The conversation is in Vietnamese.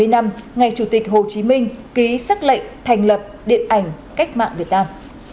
bảy mươi năm ngày chủ tịch hồ chí minh ký xác lệnh thành lập điện ảnh cách mạng việt nam